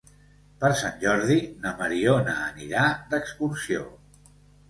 Per Sant Jordi na Mariona anirà d'excursió.